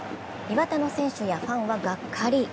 磐田の選手やファンはがっかり。